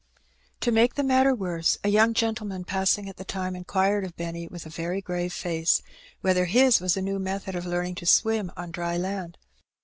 To make the matter worse, a young gentleman passing at the time inquired of Benny, with a very grave face, "Whether his was a new method of learning to swim on dry land?